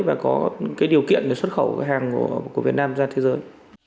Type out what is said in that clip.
và có điều kiện để xuất khẩu hàng của việt nam ra thế giới